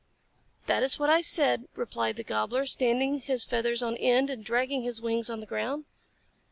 "That is what I said," replied the Gobbler, standing his feathers on end and dragging his wings on the ground.